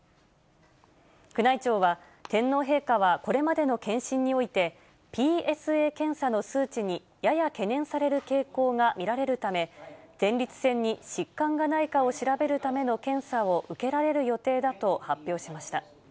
宮内庁は、天皇陛下はこれまでの検診において、ＰＳＡ検査の数値にやや懸念される傾向が見られるため、前立腺に疾患がないかを調べるための検査を受けられる予定だと発表しました。